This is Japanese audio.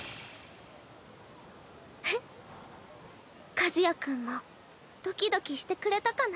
和也君もドキドキしてくれたかな。